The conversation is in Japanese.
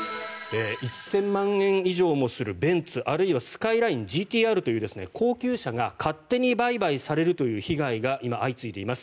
１０００万円以上もするベンツあるいはスカイラインＧＴ−Ｒという高級車が勝手に売買されるという被害が今相次いでいます。